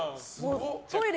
トイレ